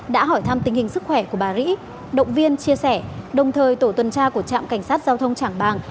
đã hỏi thăm tình hình sức khỏe của bà rễ động viên chia sẻ đồng thời tổ tuần tra của trạm cảnh sát giao thông trảng bàng